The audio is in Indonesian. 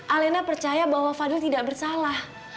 alena percaya bahwa fadil tidak bersalah